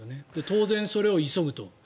当然、それを急ぐと。